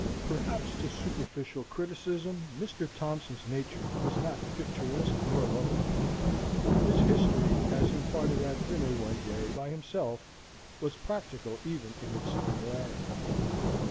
Perhaps to superficial criticism Mr. Thompson's nature was not picturesque nor lovable. His history, as imparted at dinner, one day, by himself, was practical even in its singularity.